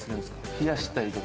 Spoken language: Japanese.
冷やしたりとか。